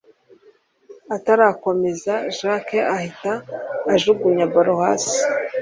atarakomeza jack ahita ajugunya ballon hasi